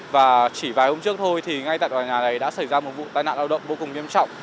và chỉ vài hôm trước thôi thì ngay tại tòa nhà này đã xảy ra một vụ tai nạn lao động vô cùng nghiêm trọng